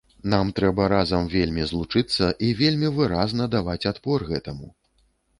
Нам трэба разам вельмі злучыцца і вельмі выразна даваць адпор гэтаму.